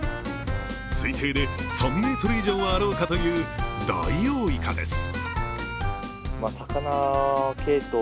推定で３ｍ以上はあろうかというダイオウイカです。